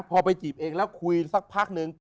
พอไปจีบเองแล้วคุยสักพักนึง